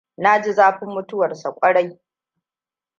Na ji zafin mutuwarsa kwarai.